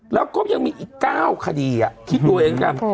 แล้วก็ยังมีอีก๙คดีคิดดูเองกัน